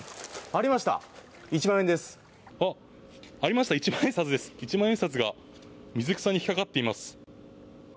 ありました、一万円札です、一万円札が水草に引っ掛かっています。